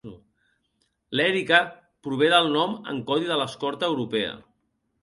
L'"Erika" prové del nom en codi de l'escorta europea.